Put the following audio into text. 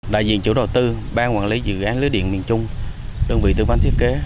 đại diện chủ đầu tư ban quản lý dự án lưới điện miền trung đơn vị tư vấn thiết kế